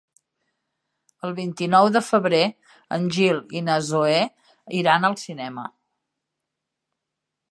El vint-i-nou de febrer en Gil i na Zoè iran al cinema.